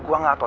gue gak tau